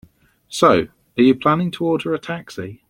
So, are you planning to order a taxi?